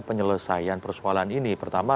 penyelesaian persoalan ini pertama